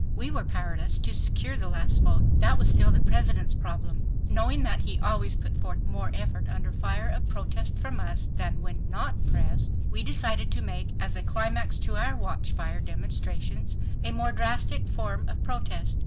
We were powerless to secure the last vote. That was still the President's problem. Knowing that he always put forth more effort under fire of protest from us than when not pressed, we decided to make as a climax to our watchfire demonstrations a more drastic form of protest.